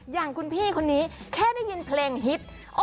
อย่างคุณพี่คนนี้แค่ได้ยินเพลงฮิต